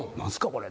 これ。